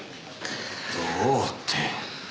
どうって。